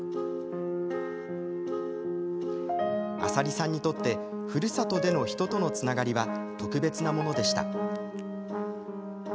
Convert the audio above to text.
麻里さんにとってふるさとでの人とのつながりは特別なものでした。